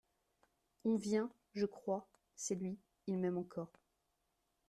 On vient, je crois ; c’est lui ; il m’aime encore.